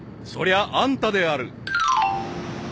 ［そりゃあんたである］